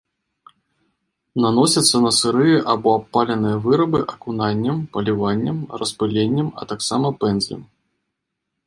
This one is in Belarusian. Наносіцца на сырыя або абпаленыя вырабы акунаннем, паліваннем, распыленнем, а таксама пэндзлем.